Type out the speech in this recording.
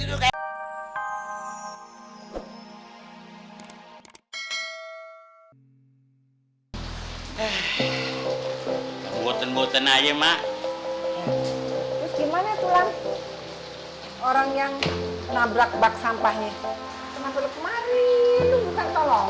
boten boten aja mak gimana tulang orang yang nabrak bak sampahnya